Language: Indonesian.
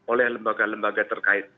oleh lembaga lembaga terkait